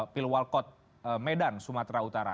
pilih walkot medan sumatera utara